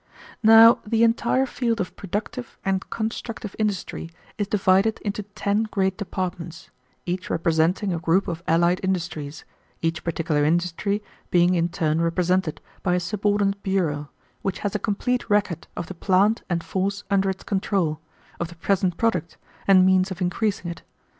"Now the entire field of productive and constructive industry is divided into ten great departments, each representing a group of allied industries, each particular industry being in turn represented by a subordinate bureau, which has a complete record of the plant and force under its control, of the present product, and means of increasing it.